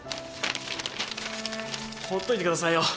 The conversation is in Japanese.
ほっといてくださいよ。